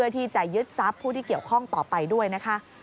ที่จะยึดทรัพย์ผู้ที่เกี่ยวข้องต่อไปด้วยนะคะ